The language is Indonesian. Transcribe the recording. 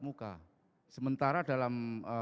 muka sementara dalam